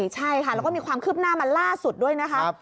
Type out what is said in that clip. ใช่ค่ะแล้วก็มีความคืบหน้ามาล่าสุดด้วยนะคะ